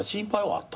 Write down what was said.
あった。